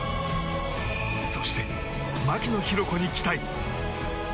そして、牧野紘子に期待。